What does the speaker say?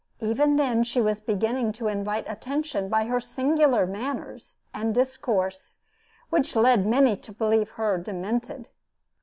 Even then she was beginning to invite attention by her singular manners and discourse, which led many to believe her demented.